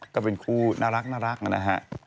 ก็เป็นคู่น่ารักนะฮะ